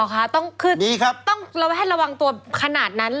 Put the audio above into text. หรอคะคือเราต้องให้ระวังตัวขนาดนั้นเลย